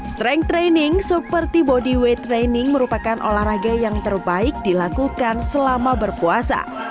strength training seperti bodyweight training merupakan olahraga yang terbaik dilakukan selama berpuasa